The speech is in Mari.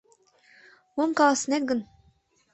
Мом каласынет гын?